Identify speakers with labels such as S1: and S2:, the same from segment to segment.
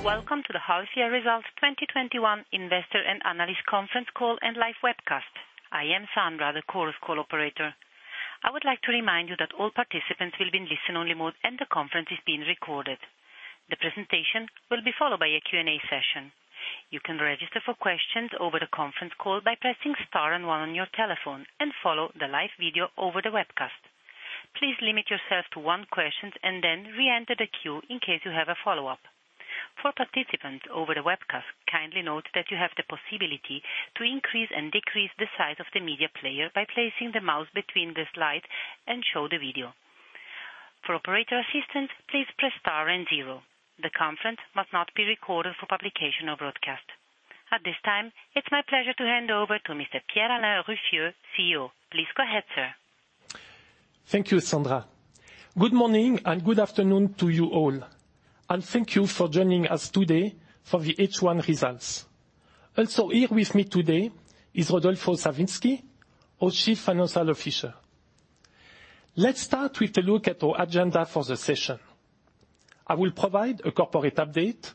S1: Welcome to the half-year results 2021 investor and analyst conference call and live webcast. I am Sandra, the Chorus Call operator. I would like to remind you that all participants will be in listen-only mode, and the conference is being recorded. The presentation will be followed by a Q&A session. You can register for questions over the conference call by pressing star and one on your telephone and follow the live video over the webcast. Please limit yourself to one question and then re-enter the queue in case you have a follow-up. For participants over the webcast, kindly note that you have the possibility to increase and decrease the size of the media player by placing the mouse between the slide and show the video. For operator assistance, please press star and zero. The conference must not be recorded for publication or broadcast. At this time, it's my pleasure to hand over to Mr. Pierre-Alain Ruffieux, CEO. Please go ahead, sir.
S2: Thank you, Sandra. Good morning and good afternoon to you all, thank you for joining us today for the H1 results. Also here with me today is Rodolfo Savitzky, our Chief Financial Officer. Let's start with a look at our agenda for the session. I will provide a corporate update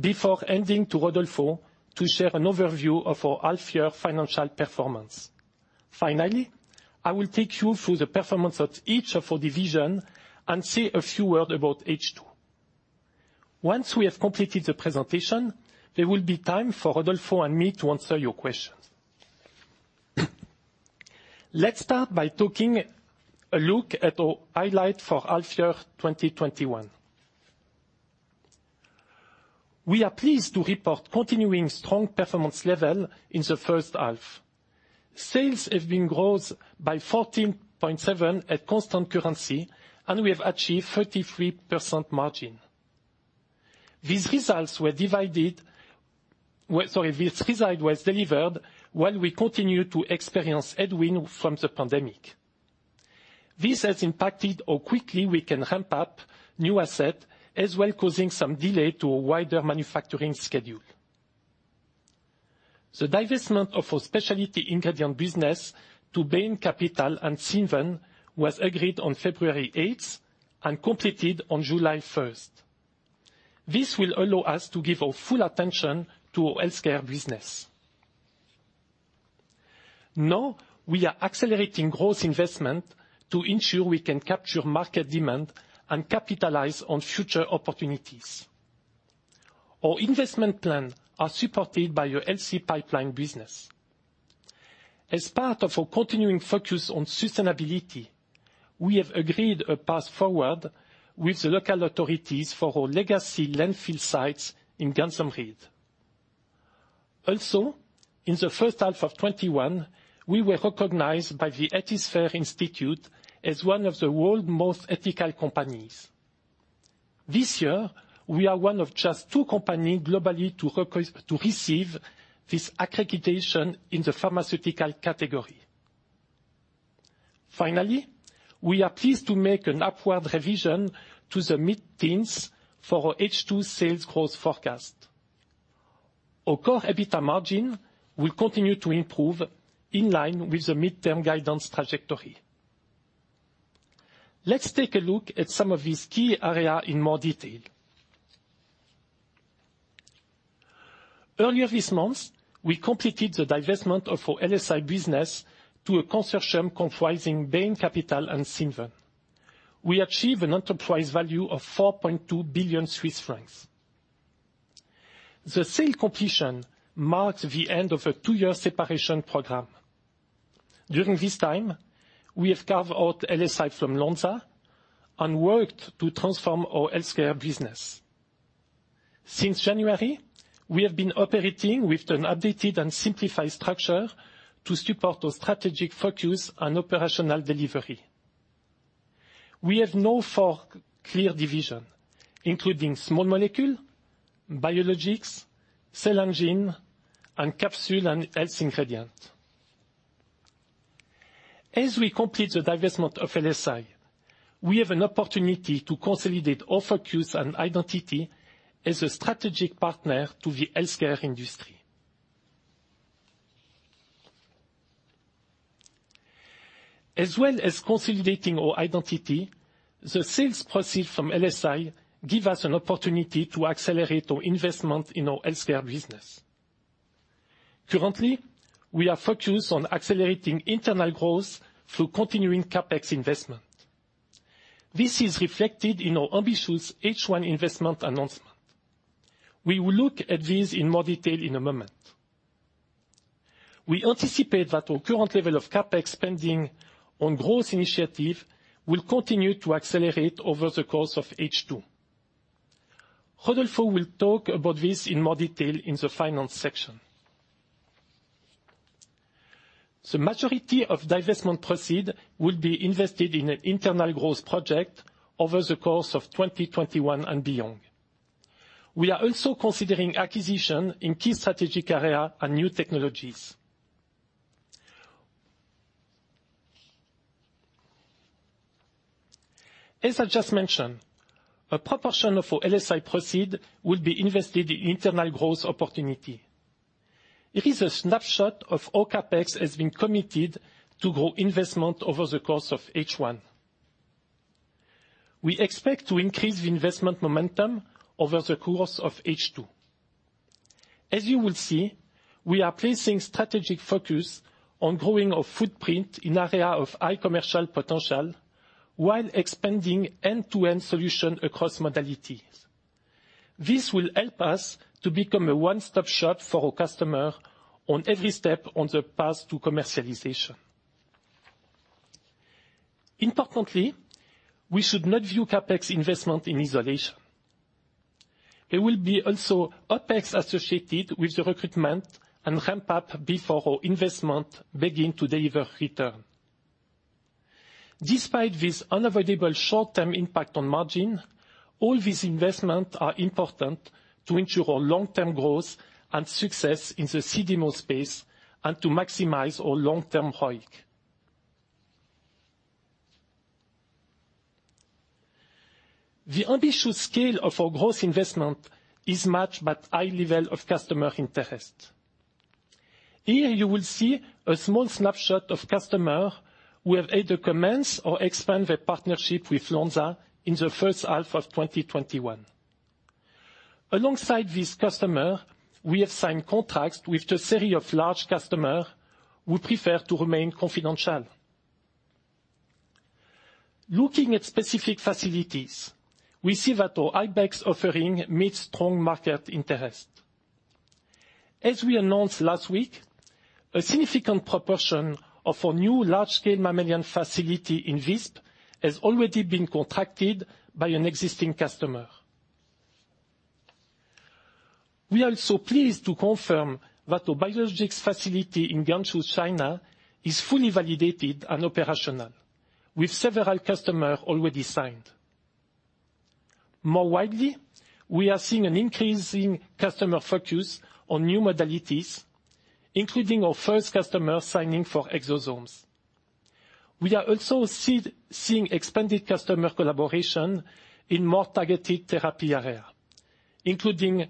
S2: before handing to Rodolfo to share an overview of our half-year financial performance. Finally, I will take you through the performance of each of our divisions and say a few words about H2. Once we have completed the presentation, there will be time for Rodolfo and me to answer your questions. Let's start by taking a look at our highlights for half year 2021. We are pleased to report continuing strong performance level in the first half. Sales have been growing by 14.7% at constant currency, we have achieved 33% margin. These results were delivered while we continue to experience headwind from the pandemic. This has impacted how quickly we can ramp up new assets, as well causing some delay to our wider manufacturing schedule. The divestment of our specialty ingredient business to Bain Capital and Cinven was agreed on February 8th and completed on July 1st. This will allow us to give our full attention to our healthcare business. Now, we are accelerating growth investment to ensure we can capture market demand and capitalize on future opportunities. Our investment plans are supported by your healthy pipeline business. As part of our continuing focus on sustainability, we have agreed a path forward with the local authorities for our legacy landfill sites in Gamsenried. Also, in the first half of 2021, we were recognized by the Ethisphere Institute as one of the world's most ethical companies. This year, we are one of just 2 companies globally to receive this accreditation in the pharmaceutical category. We are pleased to make an upward revision to the mid-teens for our H2 sales growth forecast. Our Core EBITDA margin will continue to improve in line with the midterm guidance trajectory. Let's take a look at some of these key areas in more detail. Earlier this month, we completed the divestment of our LSI business to a consortium comprising Bain Capital and Cinven. We achieved an enterprise value of 4.2 billion Swiss francs. The sale completion marked the end of a 2-year separation program. During this time, we have carved out LSI from Lonza and worked to transform our healthcare business. Since January, we have been operating with an updated and simplified structure to support our strategic focus and operational delivery. We have now four clear divisions, including Small Molecules, Biologics, Cell & Gene, and Capsules & Health Ingredients. As we complete the divestment of LSI, we have an opportunity to consolidate our focus and identity as a strategic partner to the healthcare industry. As well as consolidating our identity, the sales proceeds from LSI give us an opportunity to accelerate our investment in our healthcare business. Currently, we are focused on accelerating internal growth through continuing CapEx investment. This is reflected in our ambitious H1 investment announcement. We will look at this in more detail in a moment. We anticipate that our current level of CapEx spending on growth initiatives will continue to accelerate over the course of H2. Rodolfo will talk about this in more detail in the finance section. The majority of divestment proceeds will be invested in an internal growth project over the course of 2021 and beyond. We are also considering acquisitions in key strategic areas and new technologies. As I just mentioned, a proportion of our LSI proceeds will be invested in internal growth opportunities. It is a snapshot of our CapEx has been committed to grow investment over the course of H1. We expect to increase the investment momentum over the course of H2. As you will see, we are placing strategic focus on growing our footprint in areas of high commercial potential, while expanding end-to-end solutions across modalities. This will help us to become a one-stop shop for our customers on every step on the path to commercialization. Importantly, we should not view CapEx investment in isolation. There will be also OpEx associated with the recruitment and ramp up before our investment begin to deliver return. Despite this unavoidable short-term impact on margin, all these investment are important to ensure our long-term growth and success in the CDMO space and to maximize our long-term value. The ambitious scale of our growth investment is matched by high level of customer interest. Here you will see a small snapshot of customer who have either commenced or expand their partnership with Lonza in the first half of 2021. Alongside this customer, we have signed contracts with a series of large customer who prefer to remain confidential. Looking at specific facilities, we see that our Ibex offering meets strong market interest. As we announced last week, a significant proportion of our new large-scale mammalian facility in Visp has already been contracted by an existing customer. We are also pleased to confirm that our biologics facility in Guangzhou, China is fully validated and operational, with several customer already signed. More widely, we are seeing an increasing customer focus on new modalities, including our first customer signing for exosomes. We are also seeing expanded customer collaboration in more targeted therapy area, including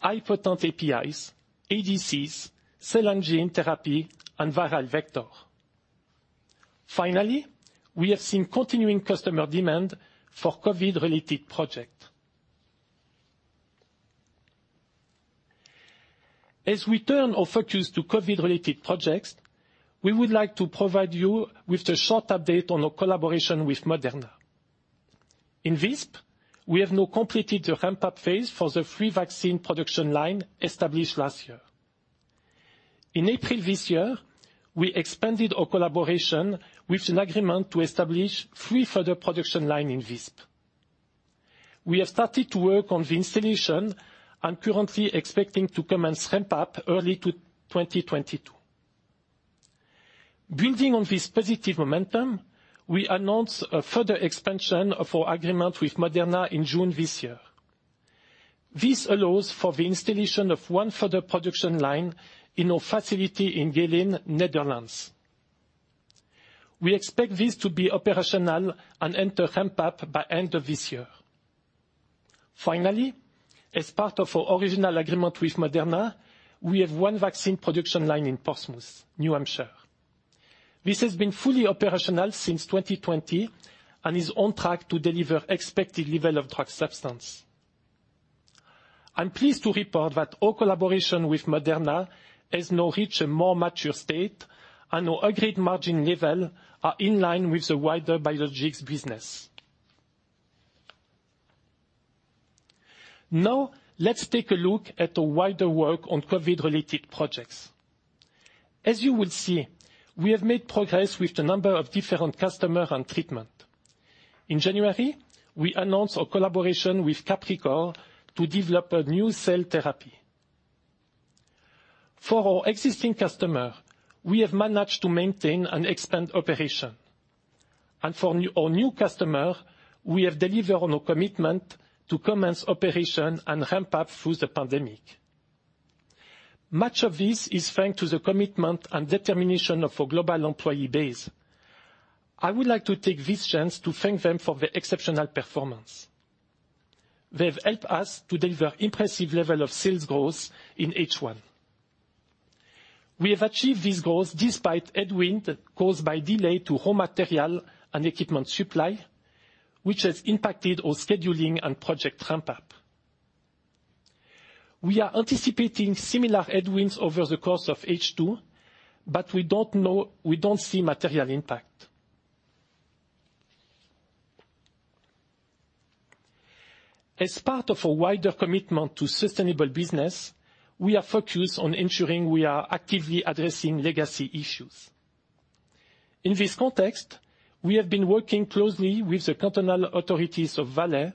S2: high-potent APIs, ADCs, cell and gene therapy, and viral vector. Finally, we have seen continuing customer demand for COVID-related project. As we turn our focus to COVID-related projects, we would like to provide you with a short update on our collaboration with Moderna. In Visp, we have now completed the ramp-up phase for the 3 vaccine production line established last year. In April this year, we expanded our collaboration with an agreement to establish 3 further production line in Visp. We have started to work on the installation and currently expecting to commence ramp-up early to 2022. Building on this positive momentum, we announced a further expansion of our agreement with Moderna in June this year. This allows for the installation of one further production line in our facility in Geleen, Netherlands. We expect this to be operational and enter ramp-up by end of this year. Finally, as part of our original agreement with Moderna, we have one vaccine production line in Portsmouth, New Hampshire. This has been fully operational since 2020 and is on track to deliver expected level of drug substance. I'm pleased to report that our collaboration with Moderna has now reached a more mature state, and our agreed margin level are in line with the wider biologics business. Let's take a look at our wider work on COVID-related projects. As you will see, we have made progress with a number of different customer and treatment. In January, we announced our collaboration with Capricor to develop a new cell therapy. For our existing customer, we have managed to maintain and expand operation. For our new customer, we have delivered on our commitment to commence operation and ramp up through the pandemic. Much of this is thanks to the commitment and determination of our global employee base. I would like to take this chance to thank them for their exceptional performance. They have helped us to deliver impressive level of sales growth in H1. We have achieved this growth despite headwind caused by delay to raw material and equipment supply, which has impacted our scheduling and project ramp-up. We are anticipating similar headwinds over the course of H2, but we don't see material impact. As part of our wider commitment to sustainable business, we are focused on ensuring we are actively addressing legacy issues. In this context, we have been working closely with the cantonal authorities of Valais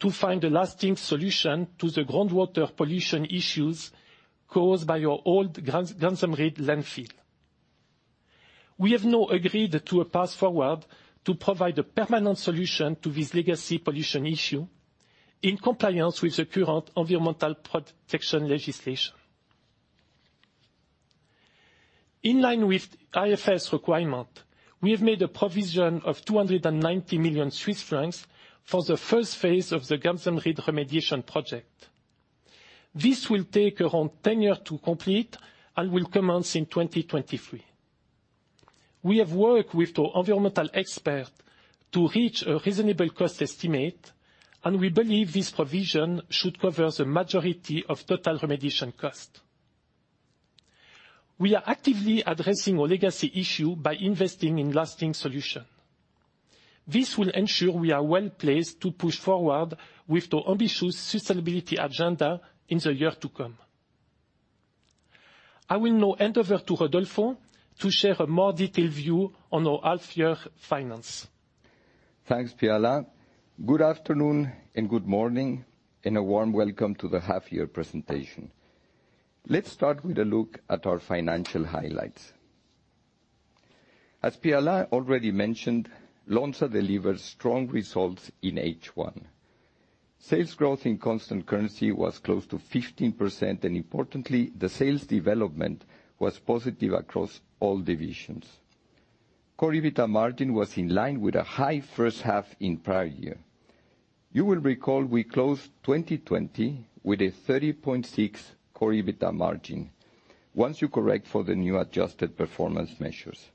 S2: to find a lasting solution to the groundwater pollution issues caused by our old Gamsenried landfill. We have now agreed to a path forward to provide a permanent solution to this legacy pollution issue in compliance with the current environmental protection legislation. In line with IFRS requirement, we have made a provision of 290 million Swiss francs for the first phase of the Gamsenried remediation project. This will take around 10 years to complete and will commence in 2023. We have worked with our environmental expert to reach a reasonable cost estimate, and we believe this provision should cover the majority of total remediation cost. We are actively addressing our legacy issue by investing in lasting solution. This will ensure we are well-placed to push forward with the ambitious sustainability agenda in the year to come. I will now hand over to Rodolfo to share a more detailed view on our half-year finance.
S3: Thanks, Pierre-Alain. Good afternoon and good morning, and a warm welcome to the half-year presentation. Let's start with a look at our financial highlights. As Pierre-Alain already mentioned, Lonza delivers strong results in H1. Sales growth in constant currency was close to 15%, and importantly, the sales development was positive across all divisions. Core EBITDA margin was in line with a high first half in prior year. You will recall we closed 2020 with a 30.6 Core EBITDA margin, once you correct for the new adjusted performance measures.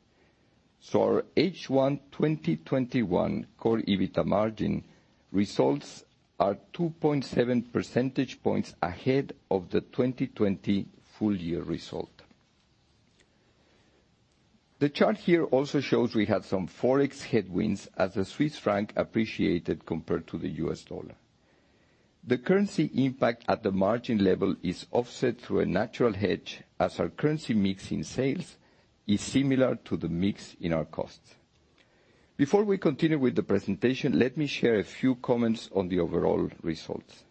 S3: Our H1 2021 Core EBITDA margin results are 2.7 percentage points ahead of the 2020 full-year result. The chart here also shows we had some Forex headwinds as the Swiss franc appreciated compared to the US dollar. The currency impact at the margin level is offset through a natural hedge, as our currency mix in sales is similar to the mix in our costs. Before we continue with the presentation, let me share a few comments on the overall results.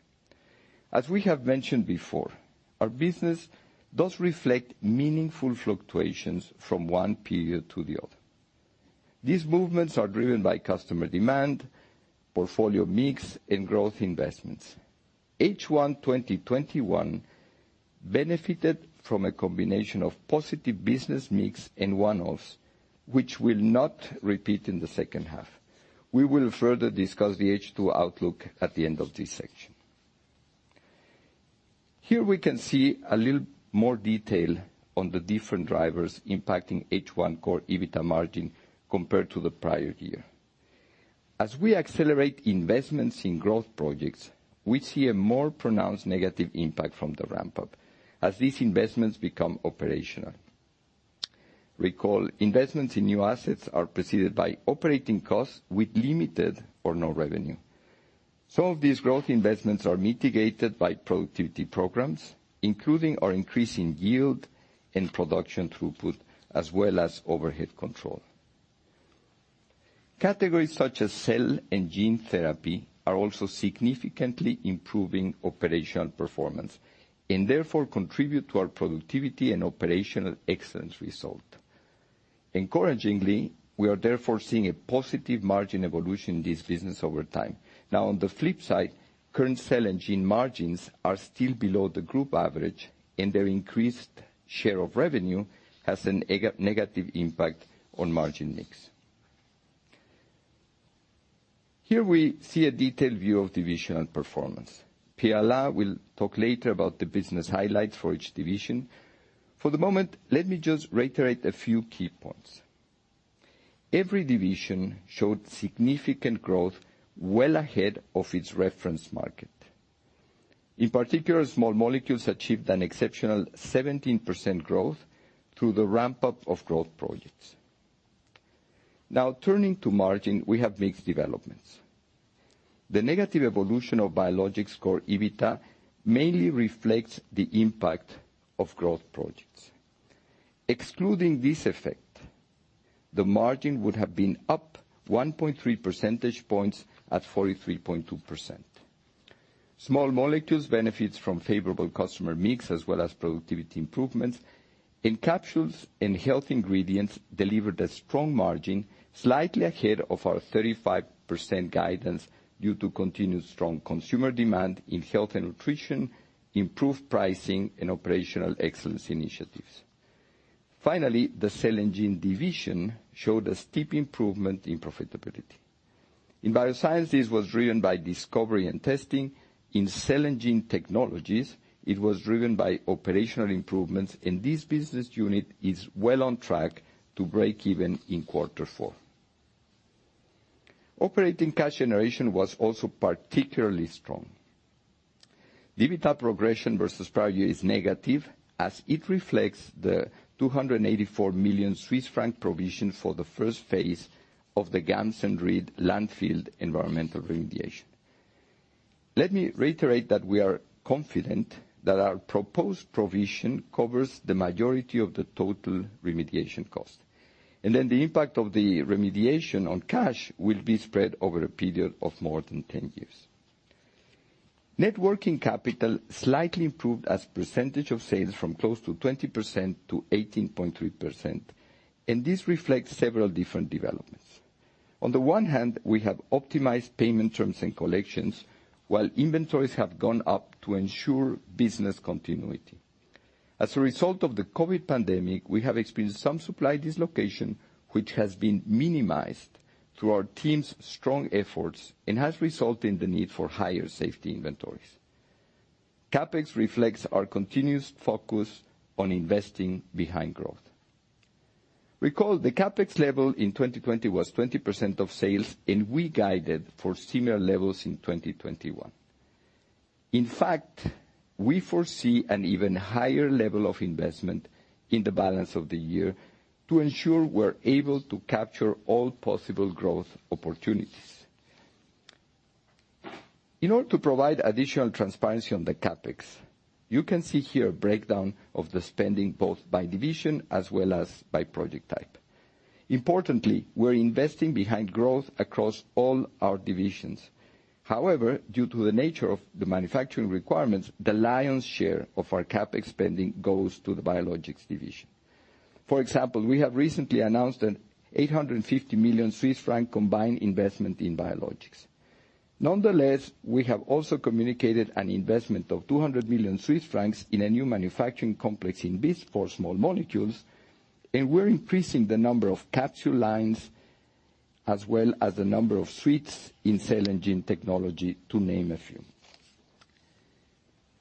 S3: As we have mentioned before, our business does reflect meaningful fluctuations from one period to the other. These movements are driven by customer demand, portfolio mix, and growth investments. H1 2021 benefited from a combination of positive business mix and one-offs, which will not repeat in the second half. We will further discuss the H2 outlook at the end of this section. Here we can see a little more detail on the different drivers impacting H1 Core EBITDA margin compared to the prior year. As we accelerate investments in growth projects, we see a more pronounced negative impact from the ramp-up as these investments become operational. Recall, investments in new assets are preceded by operating costs with limited or no revenue. Some of these growth investments are mitigated by productivity programs, including our increasing yield and production throughput, as well as overhead control. Categories such as cell and gene therapy are also significantly improving operational performance, and therefore contribute to our productivity and operational excellence result. Encouragingly, we are therefore seeing a positive margin evolution in this business over time. Now, on the flip side, current Cell & Gene margins are still below the group average, and their increased share of revenue has a negative impact on margin mix. Here we see a detailed view of divisional performance. Pierre-Alain Ruffieux will talk later about the business highlights for each division. For the moment, let me just reiterate a few key points. Every division showed significant growth well ahead of its reference market. In particular, Small Molecules achieved an exceptional 17% growth through the ramp-up of growth projects. Turning to margin, we have mixed developments. The negative evolution of Biologics Core EBITDA mainly reflects the impact of growth projects. Excluding this effect, the margin would have been up 1.3 percentage points at 43.2%. Small Molecules benefits from favorable customer mix as well as productivity improvements. In Capsules & Health Ingredients delivered a strong margin, slightly ahead of our 35% guidance due to continued strong consumer demand in health and nutrition, improved pricing, and operational excellence initiatives. Finally, the Cell & Gene Division showed a steep improvement in profitability. In Biosciences was driven by discovery and testing. In Cell & Gene Technologies, it was driven by operational improvements, and this business unit is well on track to break even in quarter four. Operating cash generation was also particularly strong. EBITDA progression versus prior year is negative as it reflects the 284 million Swiss franc provision for the first phase of the Gamsenried landfill environmental remediation. Let me reiterate that we are confident that our proposed provision covers the majority of the total remediation cost, the impact of the remediation on cash will be spread over a period of more than 10 years. Net working capital slightly improved as % of sales from close to 20% to 18.3%. This reflects several different developments. On the one hand, we have optimized payment terms and collections, while inventories have gone up to ensure business continuity. As a result of the COVID pandemic, we have experienced some supply dislocation, which has been minimized through our team's strong efforts and has resulted in the need for higher safety inventories. CapEx reflects our continuous focus on investing behind growth. Recall, the CapEx level in 2020 was 20% of sales, and we guided for similar levels in 2021. In fact, we foresee an even higher level of investment in the balance of the year to ensure we're able to capture all possible growth opportunities. In order to provide additional transparency on the CapEx, you can see here a breakdown of the spending both by division as well as by project type. Importantly, we're investing behind growth across all our divisions. However, due to the nature of the manufacturing requirements, the lion's share of our CapEx spending goes to the Biologics division. For example, we have recently announced a 850 million Swiss franc combined investment in Biologics. Nonetheless, we have also communicated an investment of 200 million Swiss francs in a new manufacturing complex in Visp for Small Molecules, and we're increasing the number of capsule lines, as well as the number of suites in Cell & Gene Technologies, to name a few.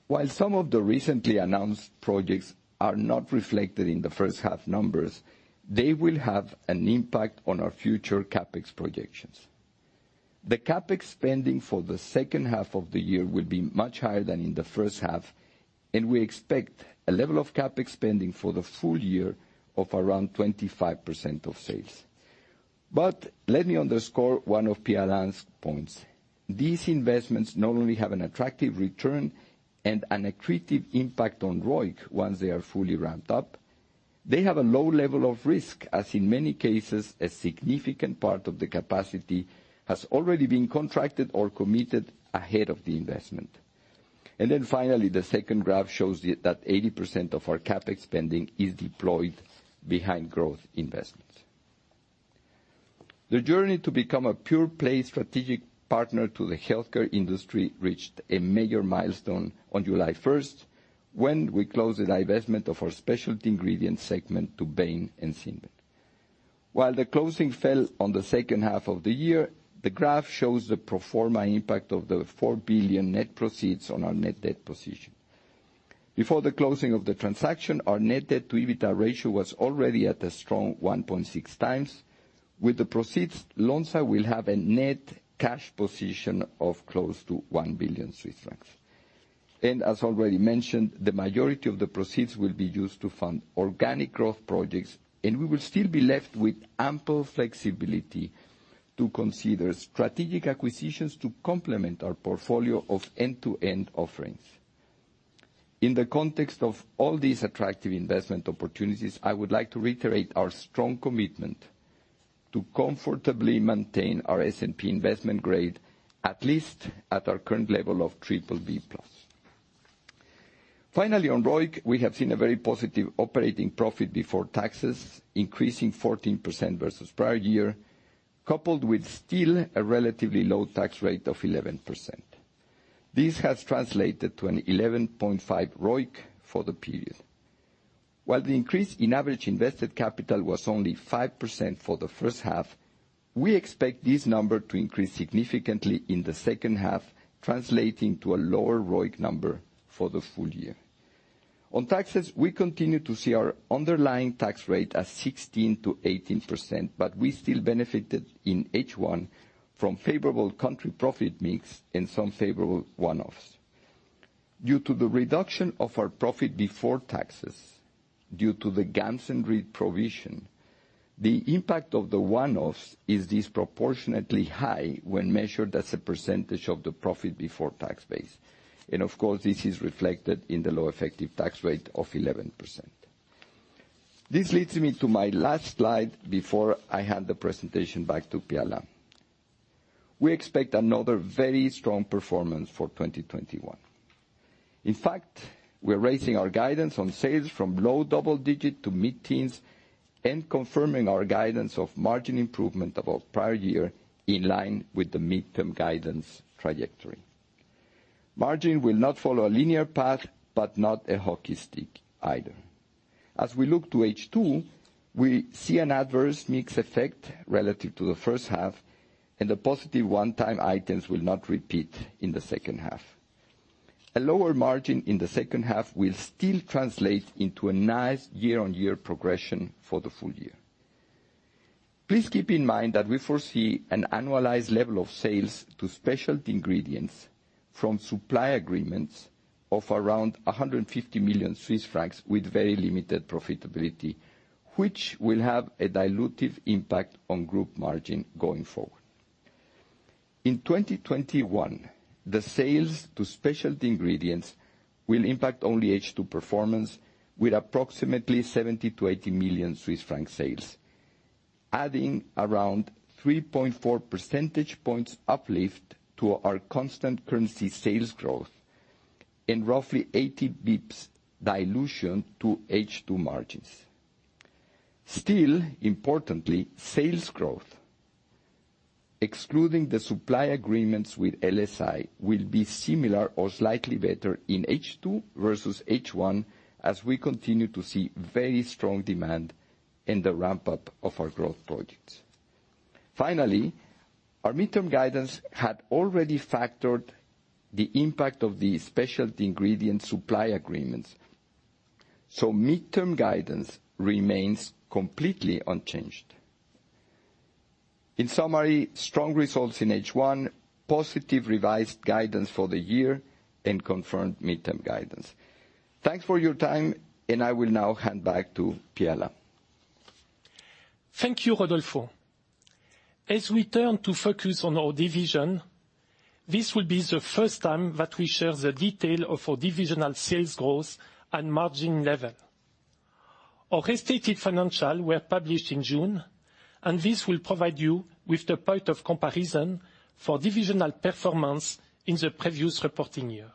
S3: While some of the recently announced projects are not reflected in the first half numbers, they will have an impact on our future CapEx projections. The CapEx spending for the second half of the year will be much higher than in the first half, and we expect a level of CapEx spending for the full year of around 25% of sales. Let me underscore one of Pierre-Alain's points. These investments not only have an attractive return and an accretive impact on ROIC once they are fully ramped up, they have a low level of risk, as in many cases, a significant part of the capacity has already been contracted or committed ahead of the investment. Finally, the second graph shows that 80% of our CapEx spending is deployed behind growth investments. The journey to become a pure-play strategic partner to the healthcare industry reached a major milestone on July 1st, when we closed the divestment of our Specialty Ingredients segment to Bain and Cinven. While the closing fell on the second half of the year, the graph shows the pro forma impact of the 4 billion net proceeds on our net debt position. Before the closing of the transaction, our net debt to EBITDA ratio was already at a strong 1.6 times. With the proceeds, Lonza will have a net cash position of close to 1 billion Swiss francs. As already mentioned, the majority of the proceeds will be used to fund organic growth projects, and we will still be left with ample flexibility to consider strategic acquisitions to complement our portfolio of end-to-end offerings. In the context of all these attractive investment opportunities, I would like to reiterate our strong commitment to comfortably maintain our S&P investment grade, at least at our current level of BBB+. Finally, on ROIC, we have seen a very positive operating profit before taxes, increasing 14% versus prior year, coupled with still a relatively low tax rate of 11%. This has translated to an 11.5% ROIC for the period. While the increase in average invested capital was only 5% for the first half, we expect this number to increase significantly in the second half, translating to a lower ROIC number for the full year. On taxes, we continue to see our underlying tax rate as 16%-18%, but we still benefited in H1 from favorable country profit mix and some favorable one-offs. Due to the reduction of our profit before taxes due to the Gamsenried provision, the impact of the one-offs is disproportionately high when measured as a % of the profit before tax base. Of course, this is reflected in the low effective tax rate of 11%. This leads me to my last slide before I hand the presentation back to Pierre-Alain. We expect another very strong performance for 2021. In fact, we're raising our guidance on sales from low double-digit to mid-teens and confirming our guidance of margin improvement about prior year in line with the midterm guidance trajectory. Margin will not follow a linear path, but not a hockey stick either. As we look to H2, we see an adverse mix effect relative to the first half, and the positive one-time items will not repeat in the second half. A lower margin in the second half will still translate into a nice year-on-year progression for the full year. Please keep in mind that we foresee an annualized level of sales to Specialty Ingredients from supply agreements of around 150 million Swiss francs with very limited profitability, which will have a dilutive impact on Group margin going forward. In 2021, the sales to Specialty Ingredients will impact only H2 performance with approximately 70 million-80 million Swiss franc sales, adding around 3.4 percentage points uplift to our constant currency sales growth. Roughly 80 basis points dilution to H2 margins. Still, importantly, sales growth, excluding the supply agreements with LSI, will be similar or slightly better in H2 versus H1 as we continue to see very strong demand in the ramp-up of our growth projects. Finally, our midterm guidance had already factored the impact of the Specialty Ingredients supply agreements, so midterm guidance remains completely unchanged. In summary, strong results in H1, positive revised guidance for the year, and confirmed midterm guidance. Thanks for your time, I will now hand back to Pierre.
S2: Thank you, Rodolfo. This will be the first time that we share the detail of our divisional sales growth and margin level. Our restated financials were published in June. This will provide you with the point of comparison for divisional performance in the previous reporting year.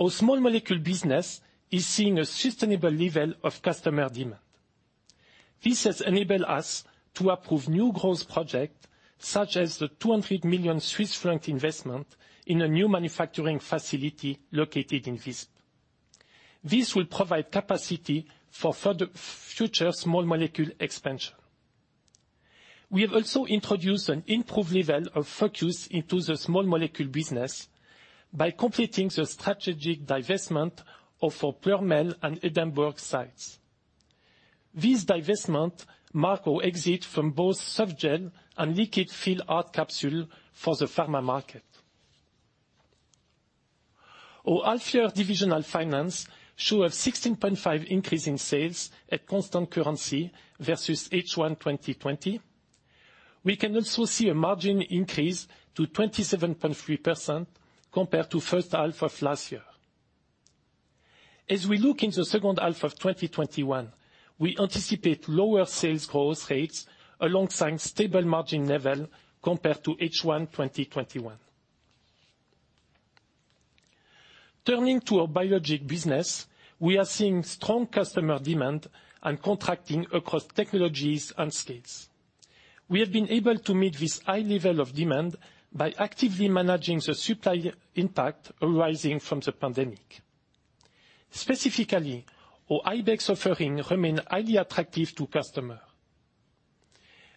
S2: Our Small Molecules business is seeing a sustainable level of customer demand. This has enabled us to approve new growth projects, such as the 200 million Swiss franc investment in a new manufacturing facility located in Visp. This will provide capacity for future Small Molecules expansion. We have also introduced an improved level of focus into the Small Molecules business by completing the strategic divestment of our Ploërmel and Edinburgh sites. This divestment marks our exit from both softgel and liquid-filled hard capsules for the pharma market. Our half-year divisional finance show a 16.5 increase in sales at constant currency versus H1 2020. We can also see a margin increase to 27.3% compared to first half of last year. As we look in the second half of 2021, we anticipate lower sales growth rates alongside stable margin level compared to H1 2021. Turning to our Biologics business, we are seeing strong customer demand and contracting across technologies and scales. We have been able to meet this high level of demand by actively managing the supply impact arising from the pandemic. Specifically, our Ibex offering remain highly attractive to customer.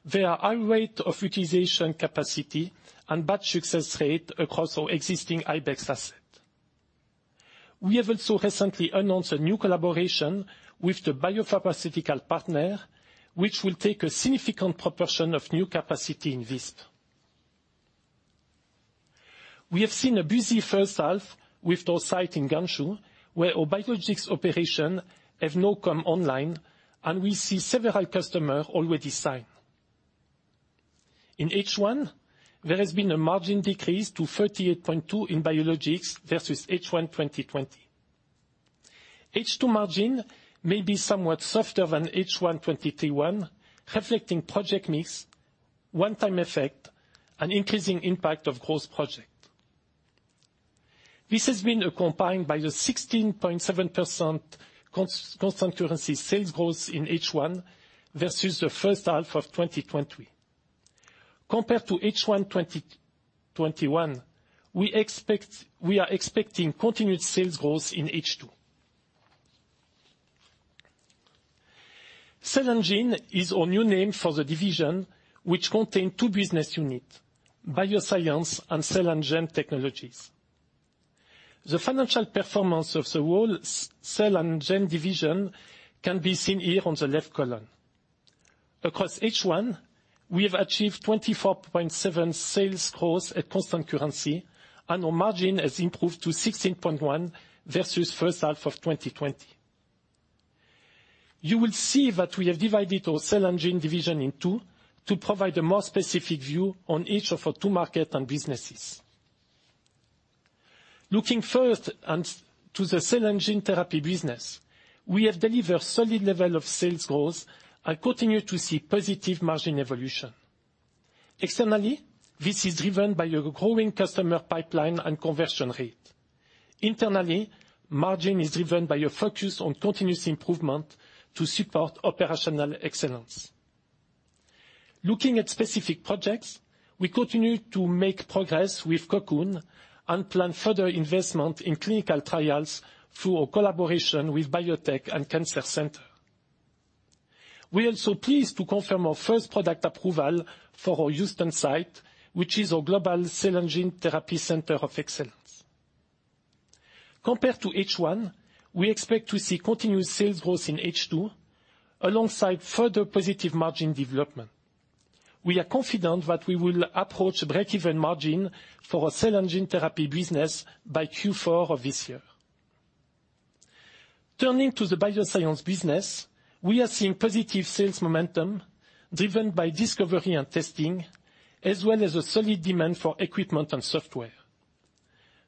S2: There are high rate of utilization capacity and batch success rate across our existing Ibex asset. We have also recently announced a new collaboration with the biopharmaceutical partner, which will take a significant proportion of new capacity in Visp. We have seen a busy first half with our site in Gamsenried, where our Biologics operation have now come online, and we see several customer already signed. In H1, there has been a margin decrease to 38.2% in Biologics versus H1 2020. H2 margin may be somewhat softer than H1 2021, reflecting project mix, one time effect, and increasing impact of growth project. This has been accompanied by the 16.7% constant currency sales growth in H1 versus the first half of 2020. Compared to H1 2021, we are expecting continued sales growth in H2. Cell & Gene is our new name for the division which contain two business unit, bioscience and Cell & Gene Technologies. The financial performance of the whole Cell & Gene division can be seen here on the left column. Across H1, we have achieved 24.7% sales growth at constant currency, our margin has improved to 16.1% versus first half of 2020. You will see that we have divided our Cell & Gene division in 2 to provide a more specific view on each of our 2 market and businesses. Looking first to the cell and gene therapy business, we have delivered solid level of sales growth and continue to see positive margin evolution. Externally, this is driven by a growing customer pipeline and conversion rate. Internally, margin is driven by a focus on continuous improvement to support operational excellence. Looking at specific projects, we continue to make progress with Cocoon and plan further investment in clinical trials through our collaboration with biotech and cancer center. We are also pleased to confirm our first product approval for our Houston site, which is our global Cell & Gene center of excellence. Compared to H1, we expect to see continued sales growth in H2 alongside further positive margin development. We are confident that we will approach breakeven margin for our Cell & Gene business by Q4 of this year. Turning to the bioscience business, we are seeing positive sales momentum driven by discovery and testing, as well as a solid demand for equipment and software.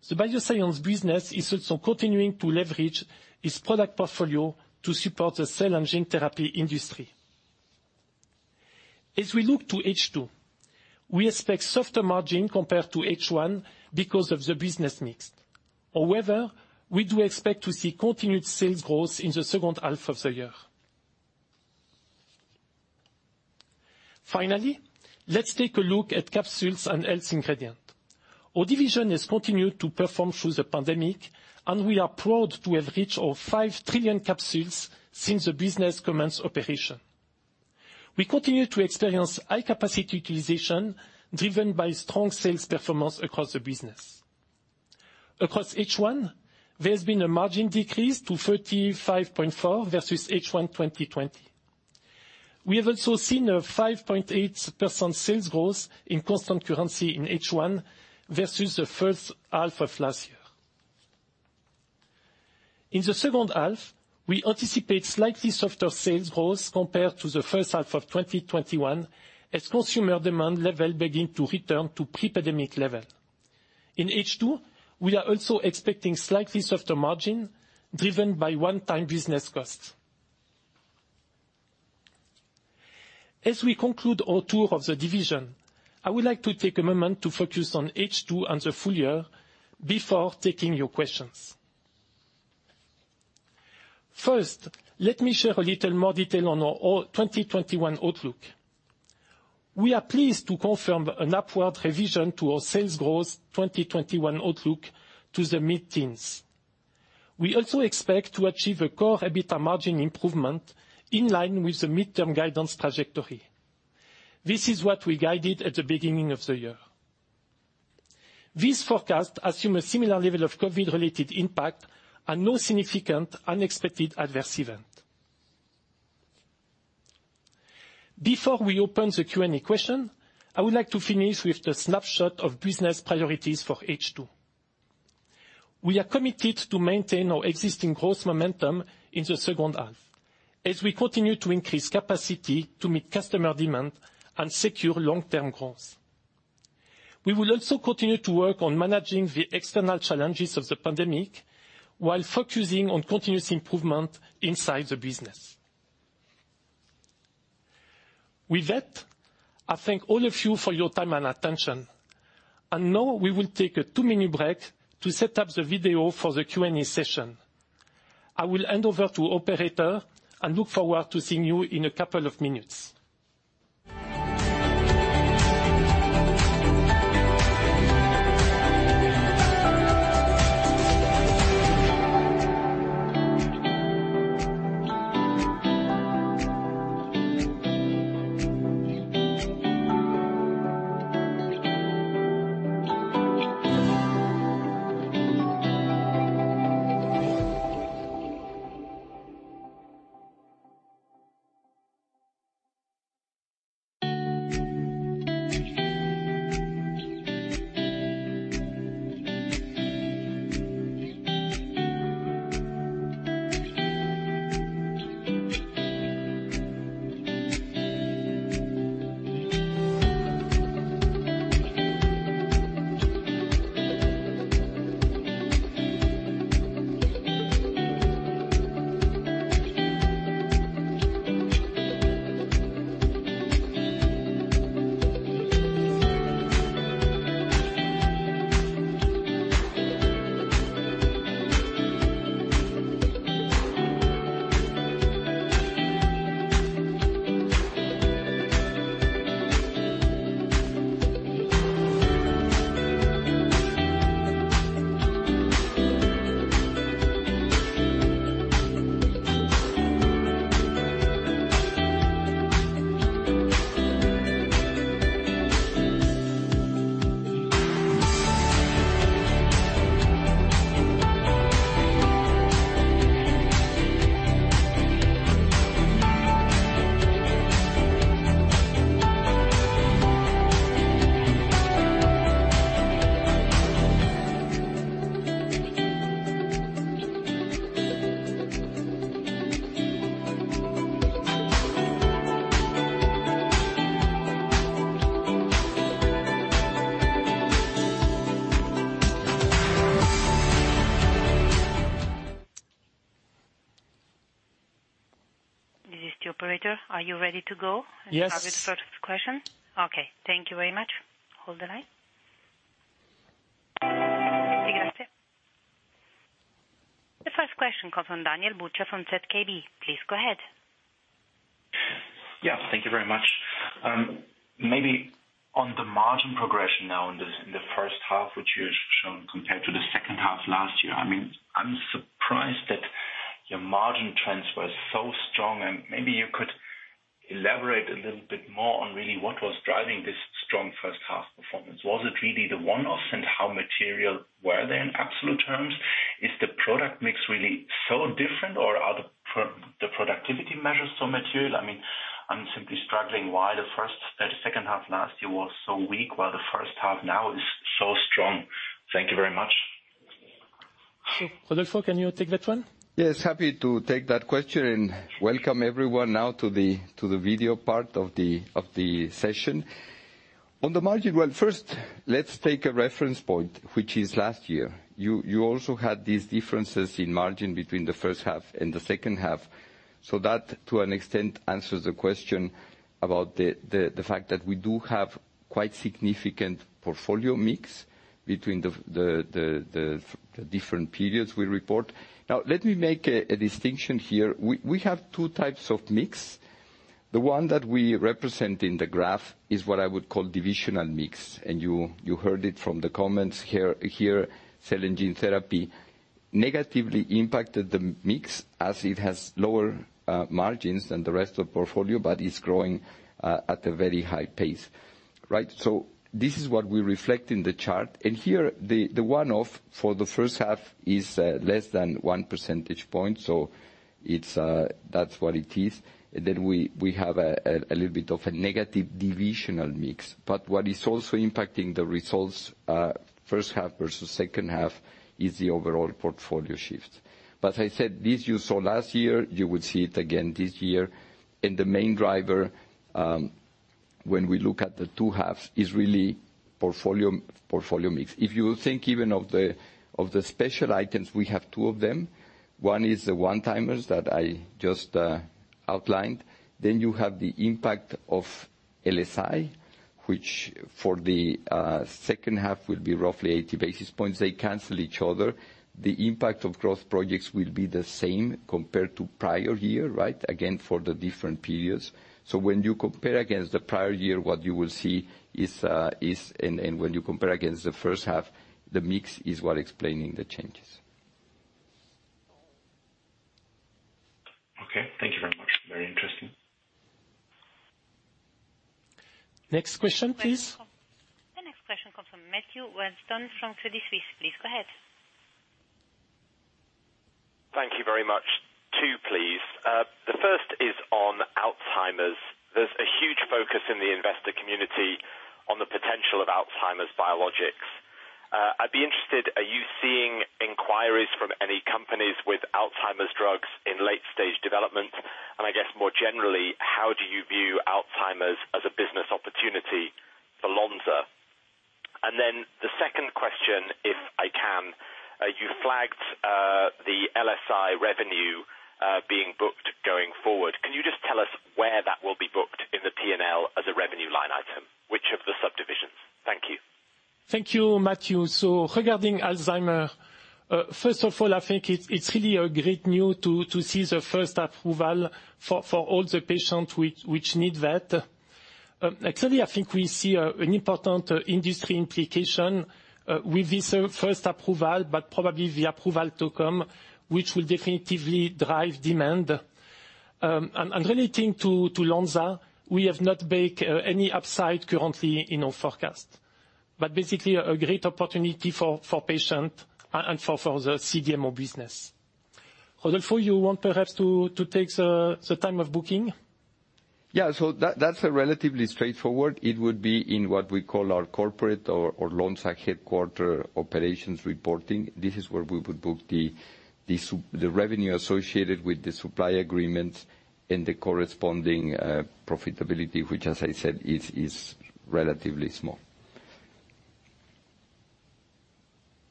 S2: The bioscience business is also continuing to leverage its product portfolio to support the cell and gene therapy industry. As we look to H2, we expect softer margin compared to H1 because of the business mix. We do expect to see continued sales growth in the second half of the year. Finally, let's take a look at Capsules & Health Ingredients. Our division has continued to perform through the pandemic, and we are proud to have reached our 5 trillion capsules since the business commenced operation. We continue to experience high capacity utilization driven by strong sales performance across the business. Across H1, there's been a margin decrease to 35.4% versus H1 2020. We have also seen a 5.8% sales growth in constant currency in H1 versus the first half of last year. In the second half, we anticipate slightly softer sales growth compared to the first half of 2021, as consumer demand level begin to return to pre-pandemic level. In H2, we are also expecting slightly softer margin driven by one-time business costs. As we conclude our tour of the division, I would like to take a moment to focus on H2 and the full year before taking your questions. First, let me share a little more detail on our 2021 outlook. We are pleased to confirm an upward revision to our sales growth 2021 outlook to the mid-teens. We also expect to achieve a Core EBITDA margin improvement in line with the midterm guidance trajectory. This is what we guided at the beginning of the year. These forecasts assume a similar level of COVID-related impact and no significant unexpected adverse event. Before we open the Q&A question, I would like to finish with a snapshot of business priorities for H2. We are committed to maintain our existing growth momentum in the second half as we continue to increase capacity to meet customer demand and secure long-term growth. We will also continue to work on managing the external challenges of the pandemic while focusing on continuous improvement inside the business. With that, I thank all of you for your time and attention. Now we will take a 2-minute break to set up the video for the Q&A session. I will hand over to operator and look forward to seeing you in a couple of minutes.
S1: This is the operator. Are you ready to go-
S2: Yes
S1: Start with the first question? Okay. Thank you very much. Hold the line. The first question comes from Daniel Buchta from ZKB. Please go ahead.
S4: Thank you very much. Maybe on the margin progression now in the first half, which you've shown compared to the second half last year. I'm surprised that your margin trends were so strong, and maybe you could elaborate a little bit more on really what was driving this strong first half performance. Was it really the one-offs, and how material were they in absolute terms? Is the product mix really so different, or are the productivity measures so material? I'm simply struggling why the second half last year was so weak while the first half now is so strong. Thank you very much.
S2: Rodolfo, can you take that one?
S3: Yes, happy to take that question, and welcome everyone now to the video part of the session. On the margin, well first, let's take a reference point, which is last year. You also had these differences in margin between the first half and the second half. That, to an extent, answers the question about the fact that we do have quite significant portfolio mix between the different periods we report. Let me make a distinction here. We have two types of mix. The one that we represent in the graph is what I would call divisional mix, and you heard it from the comments here. Cell & Gene Therapy negatively impacted the mix as it has lower margins than the rest of the portfolio, but is growing at a very high pace. Right? This is what we reflect in the chart. Here, the one-off for the first half is less than 1 percentage point. That's what it is. We have a little bit of a negative divisional mix, but what is also impacting the results, first half versus second half, is the overall portfolio shift. I said, this you saw last year, you would see it again this year. The main driver, when we look at the 2 halves, is really portfolio mix. If you think even of the special items, we have 2 of them. 1 is the one-timers that I just outlined. You have the impact of LSI, which for the second half will be roughly 80 basis points. They cancel each other. The impact of growth projects will be the same compared to prior year, right? Again, for the different periods. When you compare against the prior year, what you will see is, and when you compare against the first half, the mix is what explaining the changes.
S4: Okay. Thank you very much. Very interesting.
S2: Next question, please.
S1: The next question comes from Matthew Weston from Credit Suisse. Please go ahead.
S5: Thank you very much. Two, please. The first is on Alzheimer's. There's a huge focus in the investor community on the potential of Alzheimer's biologics. I'd be interested, are you seeing inquiries from any companies with Alzheimer's drugs in late-stage development? I guess more generally, how do you view Alzheimer's as a business opportunity for Lonza? The second question, if I can. You flagged the LSI revenue being booked going forward. Can you just tell us where that will be booked in the P&L as a revenue line item? Which of the subdivisions? Thank you.
S2: Thank you, Matthew. Regarding Alzheimer's, first of all, I think it's really a great news to see the first approval for all the patients which need that. Actually, I think we see an important industry implication with this first approval, probably the approval to come, which will definitively drive demand. Relating to Lonza, we have not baked any upside currently in our forecast. Basically, a great opportunity for patient and for the CDMO business. Rodolfo, you want perhaps to take the time of booking?
S3: Yeah. That's relatively straightforward. It would be in what we call our corporate or Lonza headquarter operations reporting. This is where we would book the revenue associated with the supply agreements and the corresponding profitability, which as I said, is relatively small.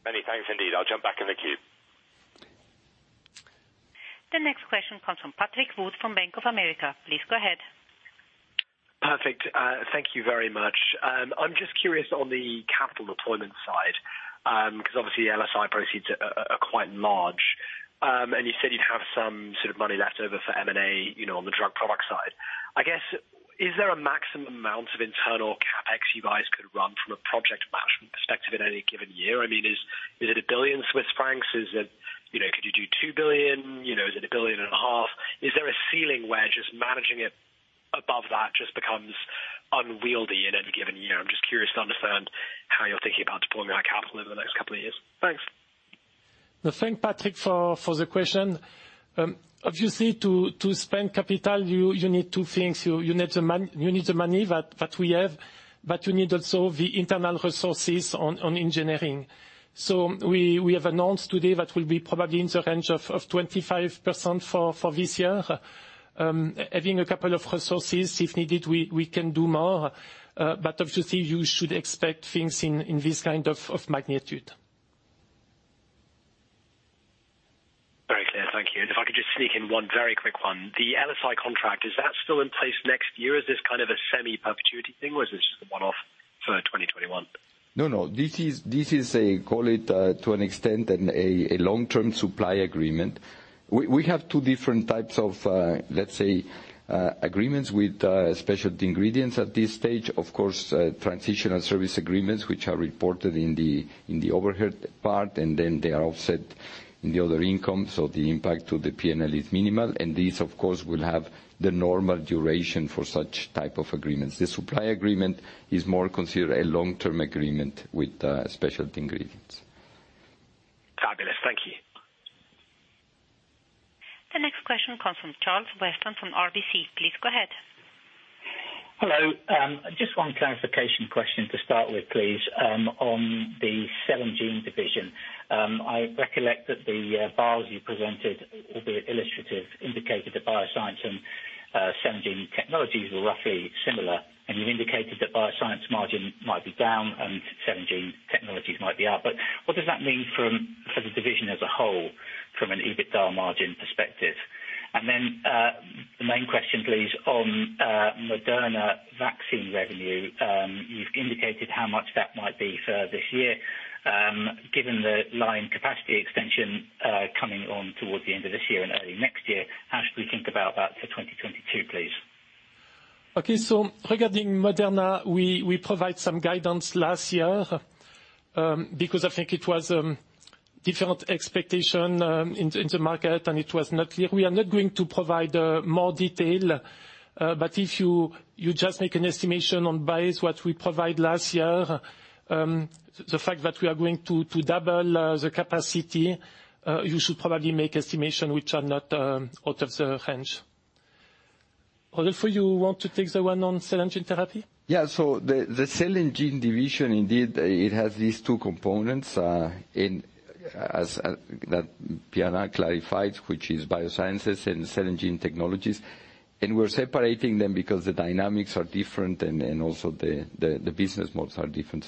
S5: Many thanks, indeed. I'll jump back in the queue.
S1: The next question comes from Patrick Rafaisz from Bank of America. Please go ahead.
S6: Perfect. Thank you very much. I'm just curious on the capital deployment side, because obviously LSI proceeds are quite large. You said you'd have some sort of money left over for M&A on the drug product side. I guess, is there a maximum amount of internal CapEx you guys could run from a project management perspective in any given year? I mean, is it 1 billion Swiss francs? Could you do 2 billion? Is it CHF a billion and a half? Is there a ceiling where just managing it above that just becomes unwieldy in any given year? I'm just curious to understand how you're thinking about deploying that capital over the next couple of years. Thanks.
S2: Thanks, Patrick, for the question. Obviously, to spend capital, you need 2 things. You need the money that we have, but you need also the internal resources on engineering. We have announced today that we'll be probably in the range of 25% for this year. Having a couple of resources, if needed, we can do more. Obviously, you should expect things in this kind of magnitude.
S6: Very clear. Thank you. If I could just sneak in one very quick one. The LSI contract, is that still in place next year? Is this kind of a semi-perpetuity thing or is this just a one-off for 2021?
S3: No, no. This is a, call it to an extent, a long-term supply agreement. We have two different types of, let's say, agreements with Specialty Ingredients at this stage. Of course, transitional service agreements, which are reported in the overhead part, and then they are offset in the other income. The impact to the P&L is minimal, and these, of course, will have the normal duration for such type of agreements. The supply agreement is more considered a long-term agreement with Specialty Ingredients.
S6: Fabulous. Thank you.
S1: The next question comes from Charles Weston from RBC. Please go ahead.
S7: Hello. Just one clarification question to start with, please. On the Cell & Gene Division. I recollect that the bars you presented, albeit illustrative, indicated that bioscience and Cell & Gene Technologies were roughly similar, and you've indicated that bioscience margin might be down and Cell & Gene Technologies might be up, but what does that mean for the division as a whole from an EBITDA margin perspective? The main question, please, on Moderna vaccine revenue. You've indicated how much that might be for this year. Given the line capacity extension coming on towards the end of this year and early next year, how should we think about that for 2022, please?
S2: Okay. Regarding Moderna, we provide some guidance last year, because I think it was a different expectation in the market, and it was not clear. We are not going to provide more detail. If you just make an estimation on basis what we provide last year, the fact that we are going to double the capacity, you should probably make estimation which are not out of the range. Rodolfo, you want to take the one on Cell and Gene Therapy?
S3: The Cell & Gene Division, indeed, it has these two components, as Pierre clarified, which is Biosciences and Cell & Gene Technologies. We are separating them because the dynamics are different and also the business models are different.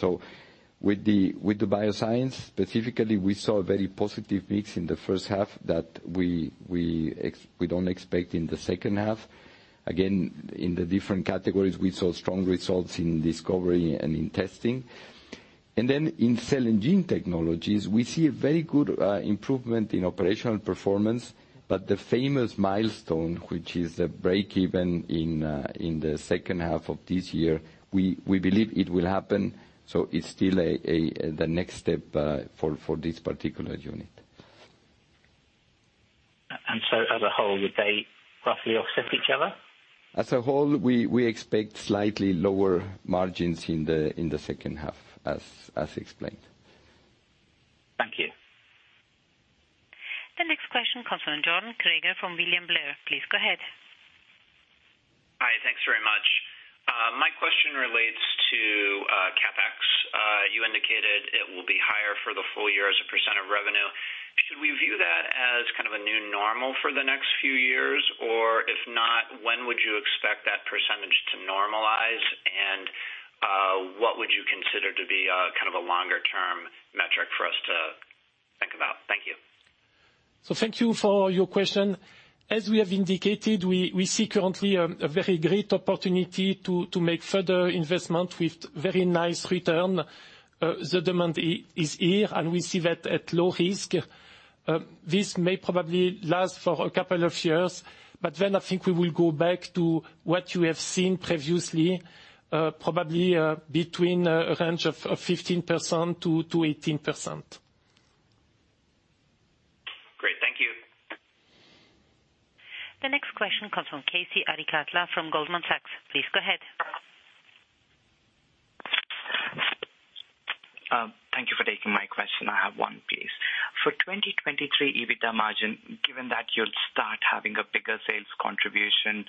S3: With the Bioscience, specifically, we saw a very positive mix in the first half that we do not expect in the second half. Again, in the different categories, we saw strong results in discovery and in testing. In Cell & Gene Technologies, we see a very good improvement in operational performance, but the famous milestone, which is a break-even in the second half of this year, we believe it will happen. It is still the next step for this particular unit.
S7: As a whole, would they roughly offset each other?
S3: As a whole, we expect slightly lower margins in the second half, as explained.
S7: Thank you.
S1: The next question comes from John Kreger from William Blair. Please go ahead.
S8: Hi, thanks very much. My question relates to CapEx. You indicated it will be higher for the full year as a % of revenue. Should we view that as kind of a new normal for the next few years? Or if not, when would you expect that % to normalize? What would you consider to be a longer-term metric for us to think about? Thank you.
S2: Thank you for your question. As we have indicated, we see currently a very great opportunity to make further investment with very nice return. The demand is here, and we see that at low risk. This may probably last for a couple of years, but then I think we will go back to what you have seen previously, probably between a range of 15%-18%.
S8: Great. Thank you.
S1: The next question comes from Keyur Parekh from Goldman Sachs. Please go ahead.
S9: Thank you for taking my question. I have one, please. For 2023 EBITDA margin, given that you'll start having a bigger sales contribution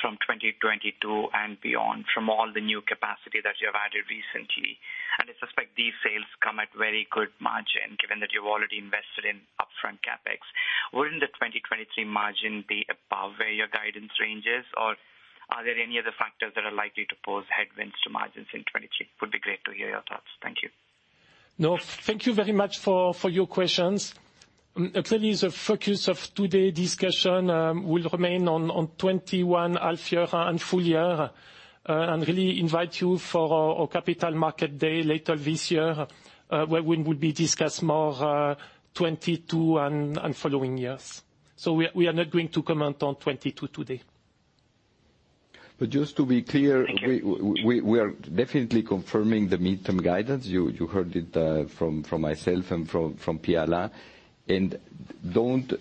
S9: from 2022 and beyond from all the new capacity that you have added recently, and I suspect these sales come at very good margin, given that you've already invested in upfront CapEx, wouldn't the 2023 margin be above where your guidance range is? Are there any other factors that are likely to pose headwinds to margins in 2023? It would be great to hear your thoughts. Thank you.
S2: Thank you very much for your questions. Clearly, the focus of today discussion will remain on 2021 half year and full year, and really invite you for our Capital Market Day later this year, where we would be discuss more 2022 and following years. We are not going to comment on 2022 today.
S3: Just to be clear. We are definitely confirming the midterm guidance. You heard it from myself and from Pierre. Don't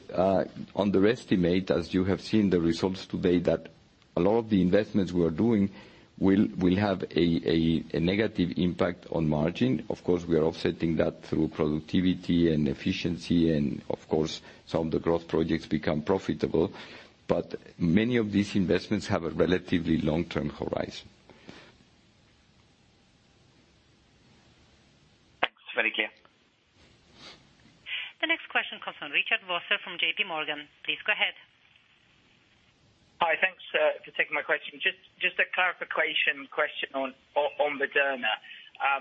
S3: underestimate, as you have seen the results today, that a lot of the investments we are doing will have a negative impact on margin. Of course, we are offsetting that through productivity and efficiency and, of course, some of the growth projects become profitable. Many of these investments have a relatively long-term horizon.
S9: Thanks. Very clear.
S1: The next question comes from Richard Vosser from J.P. Morgan. Please go ahead.
S10: Hi, thanks for taking my question. Just a clarification question on Moderna.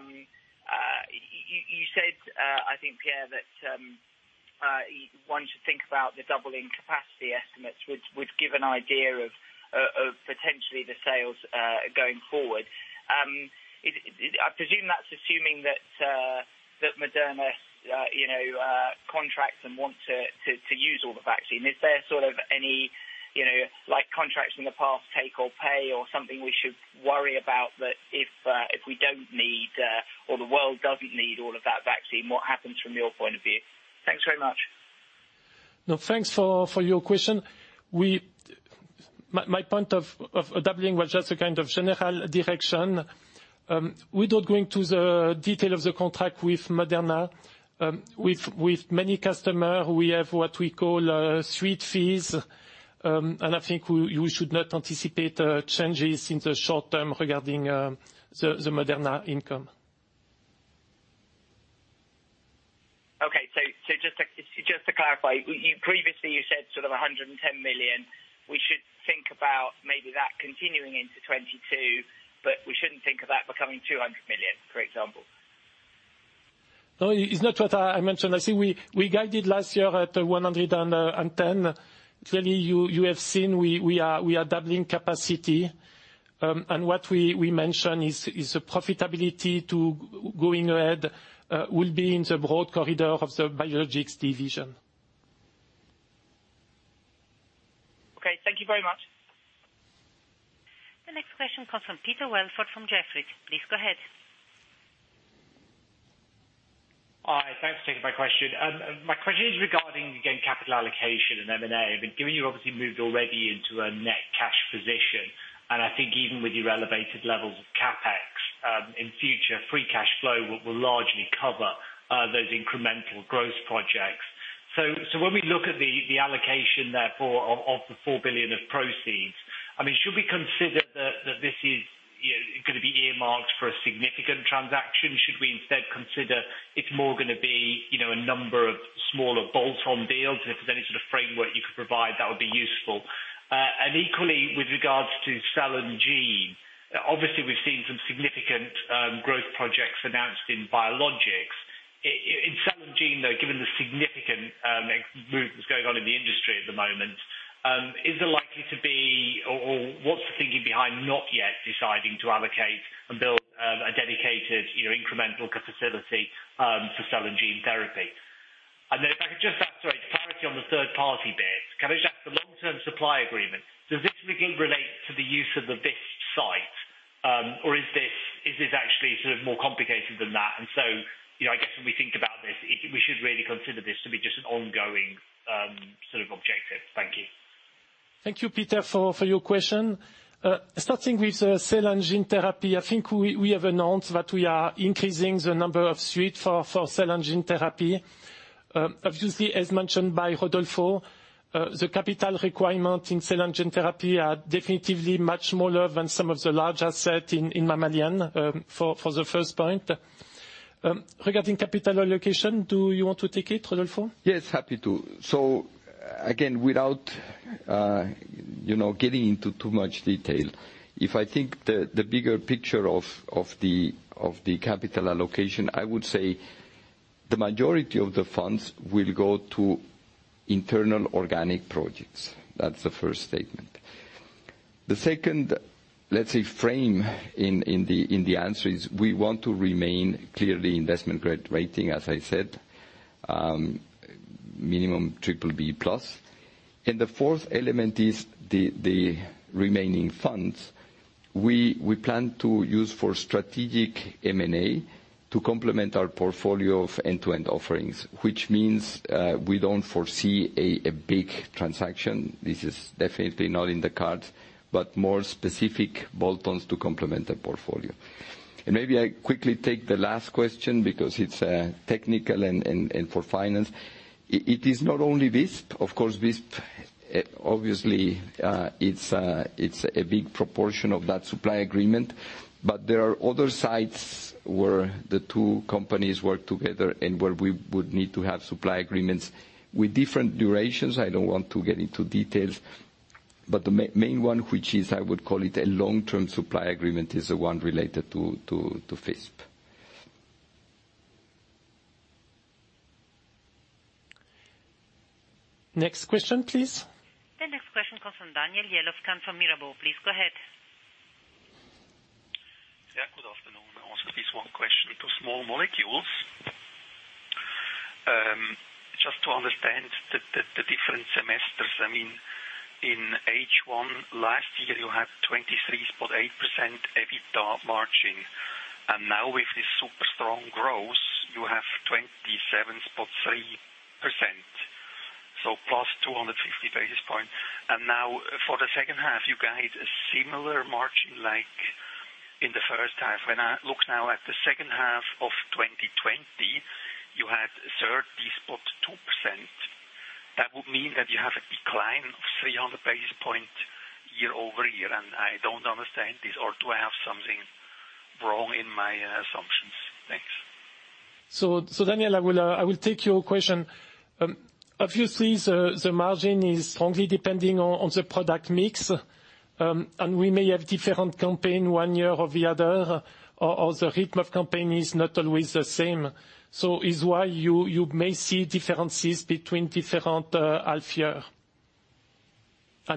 S10: You said, I think, Pierre, that one should think about the doubling capacity estimates, which would give an idea of potentially the sales going forward. I presume that's assuming that Moderna contracts and want to use all the vaccine. Is there sort of any contracts in the past take or pay or something we should worry about that if we don't need or the world doesn't need all of that vaccine, what happens from your point of view? Thanks very much.
S2: No, thanks for your question. My point of doubling was just a kind of general direction. Without going to the detail of the contract with Moderna, with many customer, we have what we call suite fee. I think you should not anticipate changes in the short term regarding the Moderna income.
S10: Just to clarify, previously you said sort of 110 million. We should think about maybe that continuing into 2022, but we shouldn't think of that becoming 200 million, for example?
S2: No, it's not what I mentioned. I think we guided last year at 110. Clearly, you have seen we are doubling capacity. What we mention is the profitability to going ahead will be in the broad corridor of the Biologics Division.
S10: Okay. Thank you very much.
S1: The next question comes from Peter Welford from Jefferies. Please go ahead.
S11: Hi, thanks for taking my question. My question is regarding, again, capital allocation and M&A. Given you've obviously moved already into a net cash position, and I think even with your elevated levels of CapEx, in future, free cash flow will largely cover those incremental growth projects. When we look at the allocation therefore of the 4 billion of proceeds, should we consider that this is going to be earmarked for a significant transaction? Should we instead consider it's more going to be a number of smaller bolt-on deals? If there's any sort of framework you could provide, that would be useful. Equally, with regards to Cell & Gene, obviously we've seen some significant growth projects announced in Biologics. In Cell & Gene, given the significant movements going on in the industry at the moment, what's the thinking behind not yet deciding to allocate and build a dedicated incremental capacity for Cell & Gene therapy? If I could just ask for clarity on the third-party bit. Can I just ask, the long-term supply agreement, does this relate to the use of the Visp site? Is this actually sort of more complicated than that? I guess when we think about this, we should really consider this to be just an ongoing sort of objective. Thank you.
S2: Thank you, Peter, for your question. Starting with the Cell & Gene therapy, I think we have announced that we are increasing the number of suite for Cell & Gene therapy. As mentioned by Rodolfo, the capital requirement in Cell & Gene therapy are definitively much smaller than some of the larger set in mammalian, for the first point. Regarding capital allocation, do you want to take it, Rodolfo?
S3: Yes, happy to. Again, without getting into too much detail, if I think the bigger picture of the capital allocation, I would say the majority of the funds will go to internal organic projects. That's the first statement. The second, let's say, frame in the answer is we want to remain clearly investment-grade rating, as I said, minimum BBB+. The fourth element is the remaining funds, we plan to use for strategic M&A to complement our portfolio of end-to-end offerings, which means we don't foresee a big transaction. This is definitely not in the cards, but more specific bolt-ons to complement the portfolio. Maybe I quickly take the last question because it's technical and for finance. It is not only Visp. Of course, Visp, obviously it's a big proportion of that supply agreement, but there are other sites where the two companies work together and where we would need to have supply agreements with different durations. I don't want to get into details, but the main one, which is, I would call it a long-term supply agreement, is the one related to Visp.
S2: Next question, please.
S1: The next question comes from Daniel Jelovcan from Mirabaud. Please go ahead.
S12: Yeah, good afternoon. I'll ask at least 1 question to Small Molecules. Just to understand the different semesters. In H1 last year, you had 23.8% EBITDA margin. Now with this super strong growth, you have 27.3%. +250 basis points. Now for the 2nd half, you guide a similar margin like in the 1st half. When I look now at the 2nd half of 2020, you had 30.2%. That would mean that you have a decline of 300 basis points year-over-year. I don't understand this. Do I have something wrong in my assumptions? Thanks.
S2: Daniel, I will take your question. Obviously, the margin is strongly depending on the product mix, and we may have different campaign one year or the other, or the rhythm of campaign is not always the same. This is why you may see differences between different half year.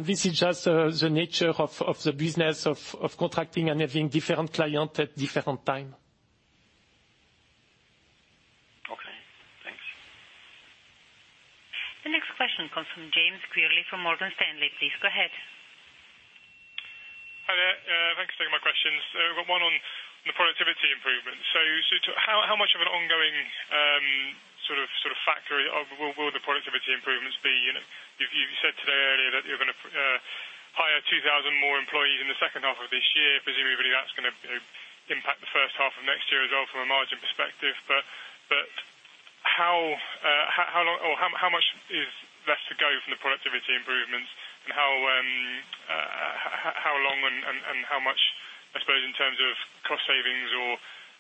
S2: This is just the nature of the business of contracting and having different client at different time.
S12: Okay, thanks.
S1: The next question comes from James Quigley from Morgan Stanley. Please go ahead.
S13: Hi there. Thanks for taking my questions. I've got one on the productivity improvement. How much of an ongoing sort of factor will the productivity improvements be? You said today earlier that you're going to hire 2,000 more employees in the second half of this year. Presumably that's going to impact the first half of next year as well from a margin perspective. How much is left to go from the productivity improvements, and how long and how much, I suppose, in terms of cost savings or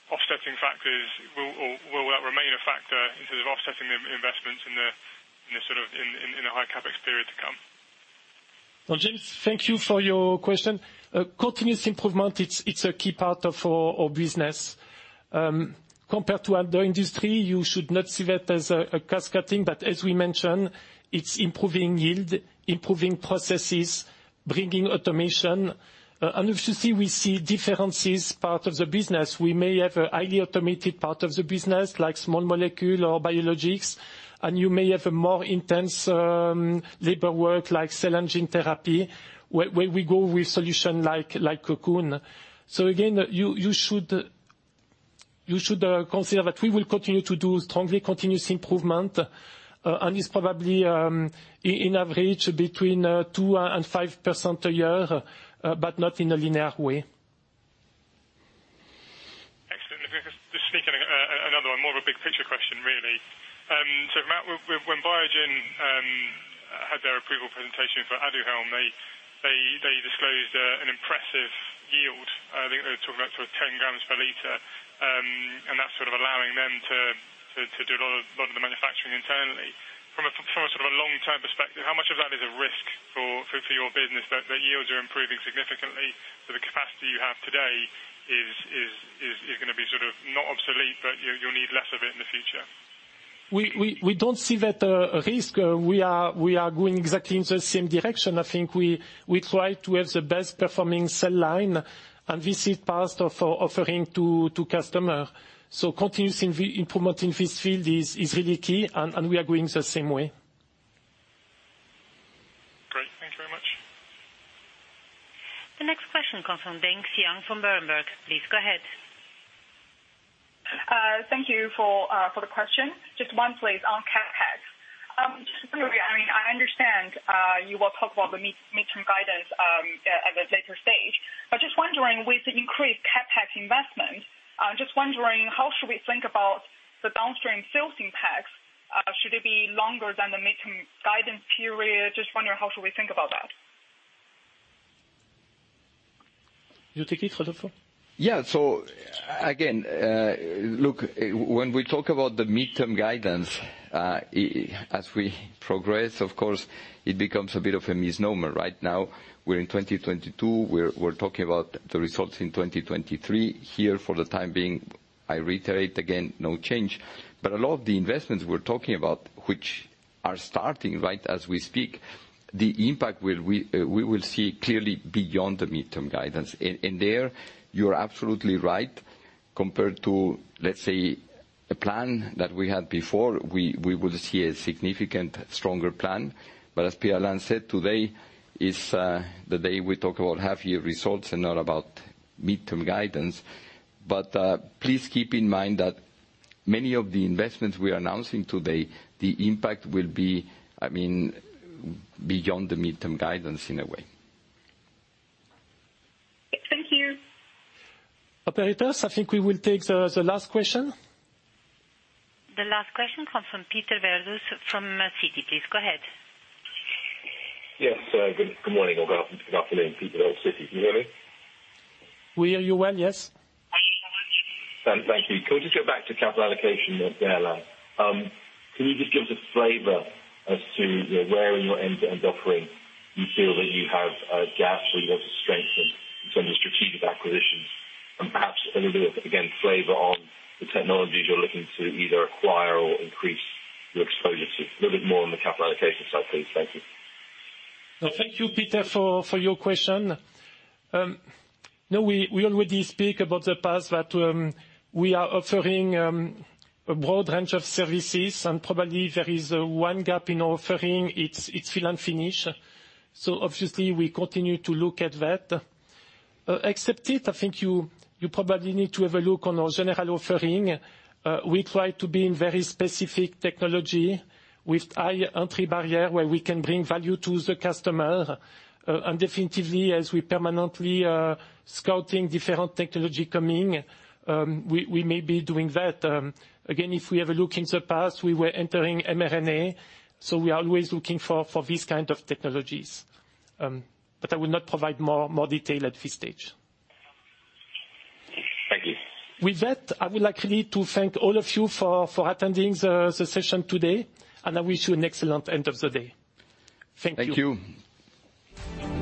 S13: Offsetting factors, or will that remain a factor in terms of offsetting the investments in the high CapEx period to come?
S2: Well, James, thank you for your question. Continuous improvement, it's a key part of our business. Compared to other industry, you should not see that as a cost-cutting, but as we mentioned, it's improving yield, improving processes, bringing automation. Obviously, we see differences part of the business. We may have a highly automated part of the business, like Small Molecules or Biologics, and you may have a more intense labor work like Cell & Gene, where we go with solution like Cocoon. Again, you should consider that we will continue to do strongly continuous improvement, and it's probably in average between 2%-5% a year, but not in a linear way.
S13: Excellent. If I could just sneak in another one, more of a big picture question, really. When Biogen had their approval presentation for ADUHELM, they disclosed an impressive yield. I think they were talking about sort of 10 grams per liter, and that's sort of allowing them to do a lot of the manufacturing internally. From a sort of a long-term perspective, how much of that is a risk for your business that yields are improving significantly, so the capacity you have today is going to be sort of not obsolete, but you'll need less of it in the future?
S2: We don't see that a risk. We are going exactly in the same direction. I think we try to have the best performing cell line, and this is part of our offering to customer. Continuously improving in this field is really key, and we are going the same way. Great. Thank you very much.
S1: The next question comes from Xian Deng from Berenberg. Please go ahead.
S14: Thank you for the question. Just one, please, on CapEx. I understand you will talk about the midterm guidance at a later stage. Just wondering with the increased CapEx investments, just wondering how should we think about the downstream sales impacts? Should it be longer than the midterm guidance period? Just wondering, how should we think about that?
S2: You take this, Rodolfo?
S3: Yeah. Again, look, when we talk about the midterm guidance, as we progress, of course, it becomes a bit of a misnomer. Right now, we're in 2022, we're talking about the results in 2023. Here for the time being, I reiterate again, no change. A lot of the investments we're talking about, which are starting right as we speak, the impact we will see clearly beyond the midterm guidance. There, you're absolutely right, compared to, let's say, a plan that we had before, we will see a significant stronger plan. As Pierre-Alain said, today is the day we talk about half year results and not about midterm guidance. Please keep in mind that many of the investments we're announcing today, the impact will be beyond the midterm guidance in a way.
S14: Thank you.
S2: Operators, I think we will take the last question.
S1: The last question comes from Peter Verdult from Citi. Please go ahead.
S15: Yes. Good morning, or good afternoon. Peter Verdult, Citi. Can you hear me?
S2: We hear you well, yes.
S15: Thank you so much. Thank you. Can we just go back to capital allocation, Pierre-Alain? Can you just give us a flavor as to where in your end-to-end offering you feel that you have gaps or you want to strengthen in terms of strategic acquisitions? Perhaps a little bit, again, flavor on the technologies you're looking to either acquire or increase your exposure to. A little bit more on the capital allocation side, please. Thank you.
S2: Thank you, Peter, for your question. We already speak about the past that we are offering a broad range of services, probably there is one gap in our offering, it's fill and finish. Obviously, we continue to look at that. Except it, I think you probably need to have a look on our general offering. We try to be in very specific technology with high entry barrier where we can bring value to the customer. Definitively, as we permanently are scouting different technology coming, we may be doing that. Again, if we have a look in the past, we were entering mRNA, we are always looking for these kind of technologies. I will not provide more detail at this stage.
S15: Thank you.
S2: With that, I would like really to thank all of you for attending the session today. I wish you an excellent end of the day. Thank you.
S3: Thank you.